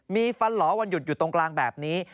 มีฟันหลอวันหยุดอยู่ตรงกลางแบบนี้